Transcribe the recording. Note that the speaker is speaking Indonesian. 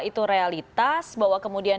itu realitas bahwa kemudian